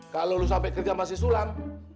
kalau lo sampe kerja sama si sulam